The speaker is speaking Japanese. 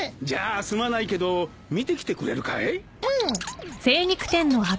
じゃあすまないけど見てきてくれるかい？